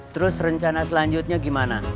terus rencana selanjutnya gimana